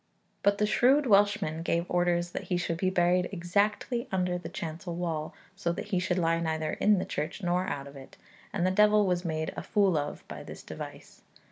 But the shrewd Welshman gave orders that he should be buried exactly under the chancel wall, so that he should lie neither in the church nor out of it; and the devil was made a fool of by this device.